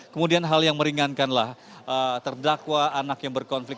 kemudian hal yang meringankanlah terdakwa anak yang berkonflik